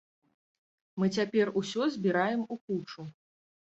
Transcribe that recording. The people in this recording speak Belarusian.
Мы цяпер усё збіраем у кучу.